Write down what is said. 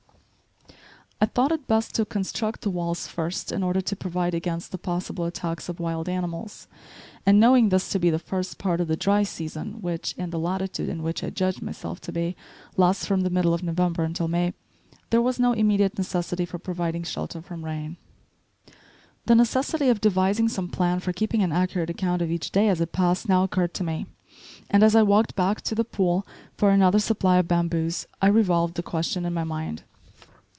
I thought it best to construct the walls first in order to provide against the possible attacks of wild animals, and knowing this to be the first part of the dry season which, in the latitude in which I judged myself to be, lasts from the middle of November until May, there was no immediate necessity for providing shelter from rain. The necessity of devising some plan for keeping an accurate account of each day as it passed, now occurred to me, and as I walked back to the pool for another supply of bamboos, I revolved the question in my mind.